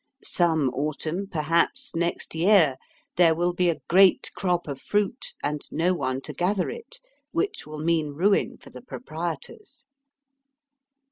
Some autumn, perhaps next year, there will be a great crop of fruit and no one to gather it, which will mean ruin for the proprietors.